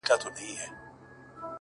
د غلا خبري پټي ساتي’